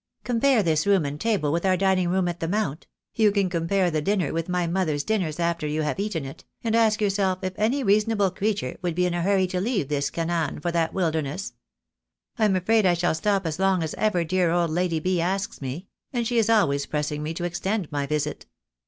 "Compare this room and table with our dining room at the Mount — you can compare the dinner with my mother's dinners after you have eaten it — and ask your self if any reasonable creature would be in a hurry to leave this Canaan for that wilderness. I'm afraid I shall stop as long as ever dear old Lady B. asks me; and she is always pressing me to extend my visit."